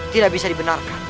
tidak bisa dibenarkan